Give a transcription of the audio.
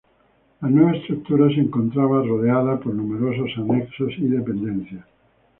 La nueva estructura se encontraba rodeada por numerosos anexos y dependencias.